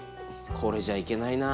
これじゃ行けないなあ。